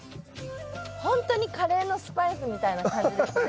ほんとにカレーのスパイスみたいな感じですね。